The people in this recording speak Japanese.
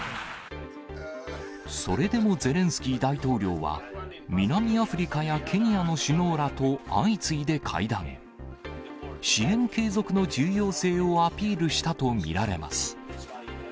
それでもゼレンスキー大統領は、南アフリカやケニアの首脳らと相次いで会談。支援継続の重要性をアピールしたと見られます。